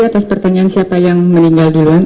atas pertanyaan siapa yang meninggal duluan